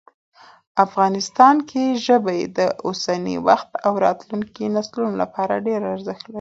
افغانستان کې ژبې د اوسني وخت او راتلونکي نسلونو لپاره ډېر ارزښت لري.